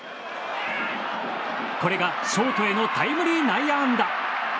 これがショートへのタイムリー内野安打。